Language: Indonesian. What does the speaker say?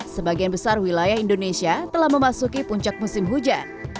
sebagian besar wilayah indonesia telah memasuki puncak musim hujan